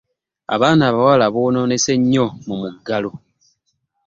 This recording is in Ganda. Abaana abawala bononese nnyo mumuggalo.